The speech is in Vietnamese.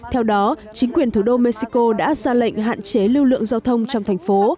theo đó chính quyền thủ đô mexico đã ra lệnh hạn chế lưu lượng giao thông trong thành phố